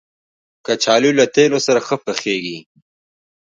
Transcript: کچالو له تېلو سره ښه پخېږي